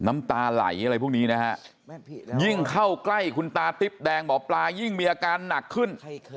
น้ำตาไหลอะไรพวกนี้นะฮะยิ่งเข้าใกล้คุณตาติ๊บแดงหมอปลายิ่งมีอาการหนักขึ้น